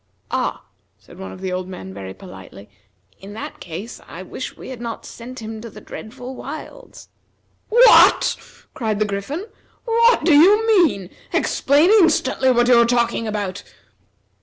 "Ah!" said one of the old men very politely, "in that case I wish we had not sent him to the dreadful wilds!" "What!" cried the Griffin. "What do you mean? Explain instantly what you are talking about!"